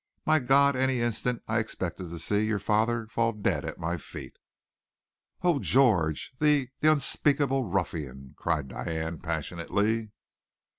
My God, any instant I expected to see your father fall dead at my feet!" "Oh, George! The the unspeakable ruffian!" cried Diane, passionately.